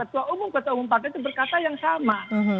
ketua umum ketua umum partai itu berkata yang sama